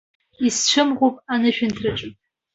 Исцәымӷуп анышәынҭраҿы.